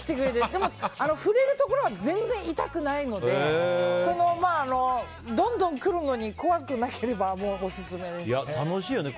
でも、触れるところは全然痛くないのでどんどん来るのに怖くなければ楽しいよね。